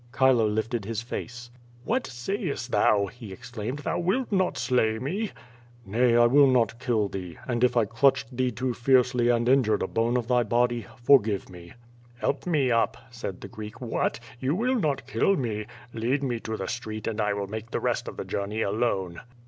Chilo lifted his face. *TVhat sayest thou," he exclaimed, "thou wilt not slay me?" "Nay, I will not kill thee. And if I clutched thee too fierce ly and injured a bone of thy body, forgive me." "Help me up," said the Greek. "What! you will not kill me? Lead me to the street and I will make the rest of the journey alone."